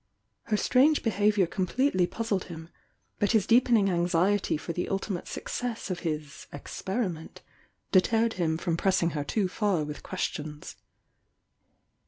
Her strange behaviour completely puzzled him, but his deepening anx iety for tiie ultimate success of his "experiment" de terred him from pressing her too far with ques tions.